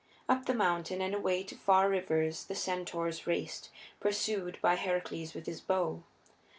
Up the mountain and away to far rivers the centaurs raced, pursued by Heracles with his bow.